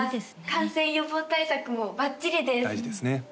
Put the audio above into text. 感染予防対策もばっちりです大事ですね